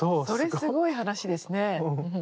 それすごい話ですね。